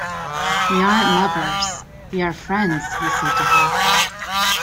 “We aren’t lovers, we are friends,” he said to her.